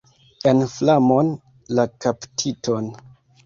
En flamon la kaptiton!